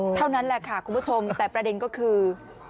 เท่านั้นแหละค่ะคุณผู้ชมแต่ประเด็นก็คือ